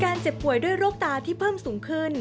การเจ็บป่วยโรคตาที่เพิ่มสูงขึ้น